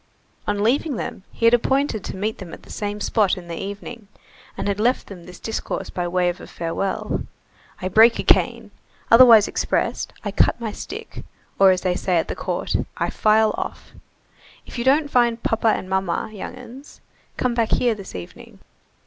On leaving them, he had appointed to meet them at the same spot in the evening, and had left them this discourse by way of a farewell: "I break a cane, otherwise expressed, I cut my stick, or, as they say at the court, I file off. If you don't find papa and mamma, young 'uns, come back here this evening.